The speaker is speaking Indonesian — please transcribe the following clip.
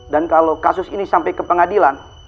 dan kalau kasus ini sampai ke pengadilan